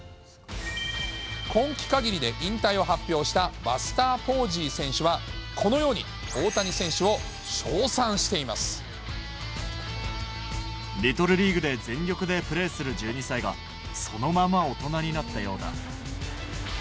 今季かぎりで引退を発表したバスター・ポージー選手はこのように、リトルリーグで全力でプレーする１２歳がそのまま大人になったようだ。